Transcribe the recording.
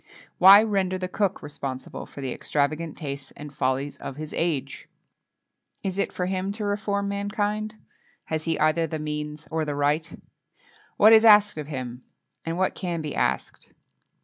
Why render the cook responsible for the extravagant tastes and follies of his age? Is it for him to reform mankind? Has he either the means or the right? What is asked of him? and what can be asked?